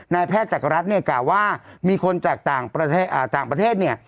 นายแพทย์จักรรัฐเนี่ยกล่าวว่ามีคนจากต่างประเทศเนี่ย